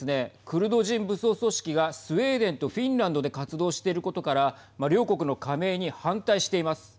クルド人武装組織がスウェーデンとフィンランドで活動していることから両国の加盟に反対しています。